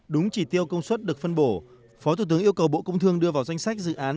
đúng chỉ tiêu công suất được phân bổ phó thủ tướng yêu cầu bộ công thương đưa vào danh sách dự án